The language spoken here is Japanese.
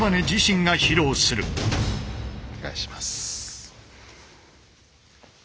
お願いします。